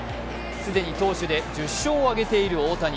既に投手で１０勝を挙げている大谷。